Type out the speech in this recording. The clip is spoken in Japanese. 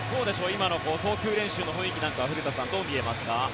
今の投球練習の雰囲気とかは古田さん、どう見えますか？